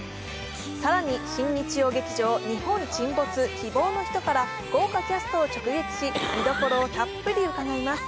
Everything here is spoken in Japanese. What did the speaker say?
更に、新日曜劇場「日本沈没−希望のひと−」から豪華キャストを直撃し、見どころをたっぷり伺います。